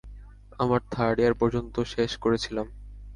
আমার third year পর্যন্ত শেষ করেছিলাম।